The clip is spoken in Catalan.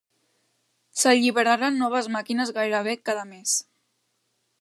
S'alliberaren noves màquines gairebé cada mes.